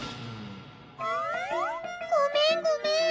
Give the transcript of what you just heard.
ごめんごめん！